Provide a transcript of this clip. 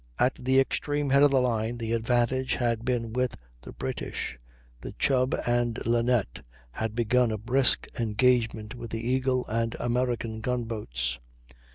At the extreme head of the line the advantage had been with the British. The Chubb and Linnet had begun a brisk engagement with the Eagle and American gun boats.